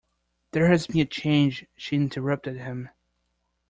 There has been a change, she interrupted him.